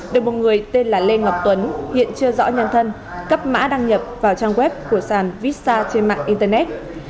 được một người tên là lê ngọc tuấn hiện chưa rõ nhân thân cấp mã đăng nhập vào trang web của sàn visa trên mạng internet